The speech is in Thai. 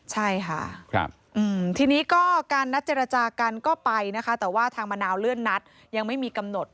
ใช่ค่ะทีนี้ก็การนัดเจรจากันก็ไปนะคะแต่ว่าทางมะนาวเลื่อนนัดยังไม่มีกำหนด